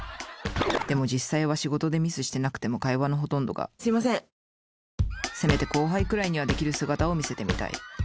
でも実際は仕事でミスしてなくても会話のほとんどがせめて後輩くらいにはデキる姿を見せてみたい。